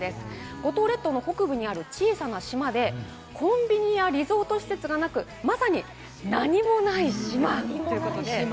五島列島の北部にある小さな島で、コンビニやリゾート施設がなく、まさに何もない島ということで。